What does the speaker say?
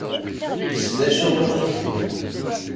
Kkes d acu ur texdim.